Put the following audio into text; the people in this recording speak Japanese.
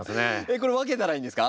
これ分けたらいいんですか？